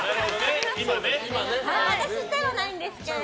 私ではないんですけど。